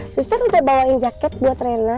sus terlebih dahulu bawain jaket buat rena